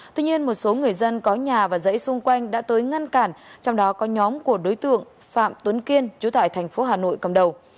tuy nhiên một số người dân có nhà và dãy xung quanh đã tới ngăn cản trong đó có nhóm của đối tượng phạm tuấn kiên chú tại thành phố hà nội cầm đầu